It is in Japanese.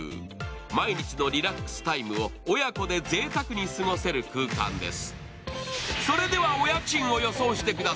毎日のリラックスタイムを親子でぜいたくに過ごせる空間です。